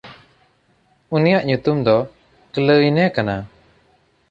ᱩᱱᱤᱭᱟᱜ ᱧᱩᱛᱩᱢ ᱫᱚ ᱠᱞᱟᱹᱭᱤᱱᱮ ᱠᱟᱱᱟ᱾